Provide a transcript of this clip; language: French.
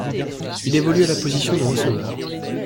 Il évolue à la position de receveur.